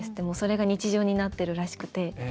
もうそれが日常になってるらしくて。